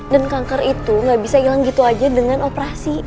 dan kanker itu gak bisa hilang gitu aja dengan operasi